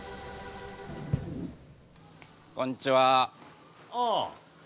こんにちは。ああ。